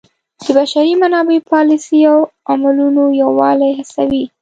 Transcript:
د بشري منابعو پالیسیو او عملونو یووالی هڅوي.